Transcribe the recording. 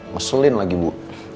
meselin lagi bu